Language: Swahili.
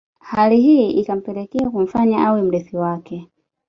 Hali hii ikapelekea kumfanya awe mrithi wake